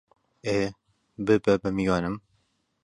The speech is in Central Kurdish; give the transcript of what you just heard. ئێ، ببە بە میوانم!